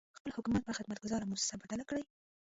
خپل حکومت په خدمت ګذاره مؤسسه بدل کړي.